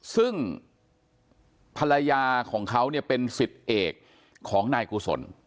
ซึ่งภรรยาของเขาเนี่ยเป็นสิทธิ์เอกของนายกุศล